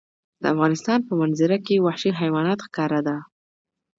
د افغانستان په منظره کې وحشي حیوانات ښکاره ده.